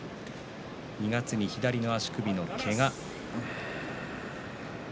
２月に左の足首のけが。